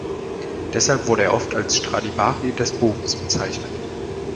Deshalb wurde er oft als Stradivari des Bogens bezeichnet.